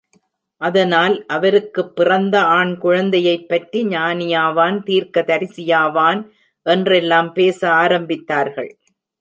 அதனால் அவருக்குப் பிறந்த ஆண் குழந்தையைப் பற்றி ஞானியாவான், தீர்க்க தரிசியாவான் என்றெல்லாம் பேச ஆரம்பித்தார்கள்.